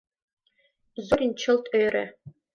Зорин чылт ӧрӧ.